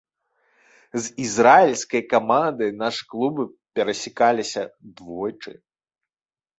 З ізраільскай камандай нашы клубы перасякаліся двойчы.